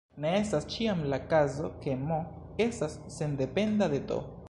Ne estas ĉiam la kazo ke "m" estas sendependa de "t".